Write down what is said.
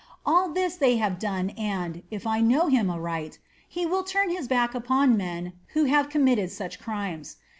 All this they have done and, if I know him aright, he will turn his back upon men who have committed such crimes.